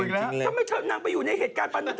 ทำไมเธอนั่งไปอยู่ในเหตุการณ์๕๔